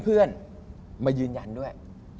เพื่อนมายืนยันด้วย